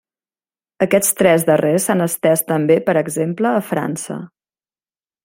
Aquests tres darrers s'han estès també, per exemple, a França.